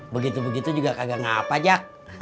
begitu begitu juga kagak ngapa jak